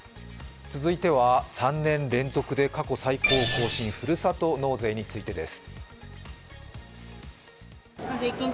続いては３年連続で過去最高を更新、ふるさと納税についてです